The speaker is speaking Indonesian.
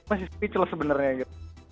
masih speechless sebenarnya gitu